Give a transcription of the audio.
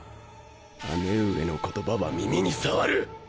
姉上の言葉は耳に障る！